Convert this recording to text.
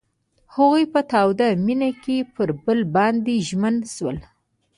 هغوی په تاوده مینه کې پر بل باندې ژمن شول.